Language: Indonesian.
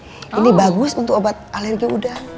jadi bagus untuk obat alergi udah